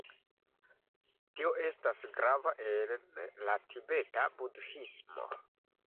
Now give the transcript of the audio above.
Tio estas grava en la Tibeta Budhismo.